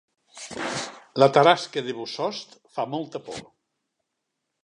La tarasca de Bossòst fa molta por